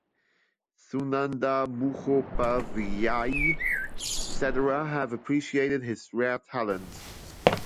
Sunanda Mukhopadhyay etc have appreciated his rare talent.